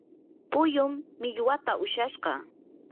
puyum millwata ushashqa.